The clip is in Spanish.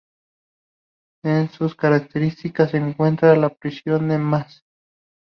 En sus cercanías se encuentra la prisión de Maze.